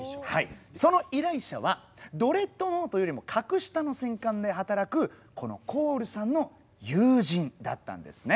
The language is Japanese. その依頼者はドレッドノートよりも格下の戦艦で働くこのコールさんの友人だったんですね。